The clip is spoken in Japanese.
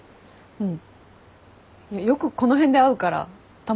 うん。